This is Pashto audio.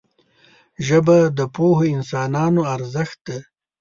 ژبه د پوهو انسانانو ارزښت ده